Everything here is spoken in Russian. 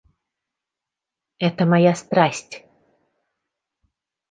Это моя страсть.